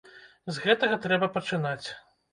З гэтага трэба пачынаць.